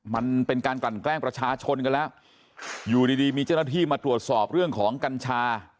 มันเป็นการกลั่นแกล้งประชาชนกันแล้วอยู่ดีดีมีเจ้าหน้าที่มาตรวจสอบเรื่องของกัญชา